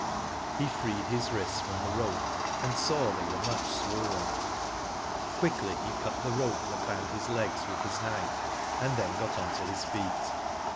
He freed his wrists from the rope, and saw they were much swollen. Quickly he cut the rope that bound his legs with his knife, and then got on to his feet.